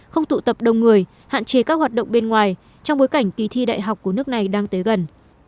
không tụ tập đông người hạn chế các hoạt động bên ngoài trong bối cảnh kỳ thi đại học của nước này đang tới gần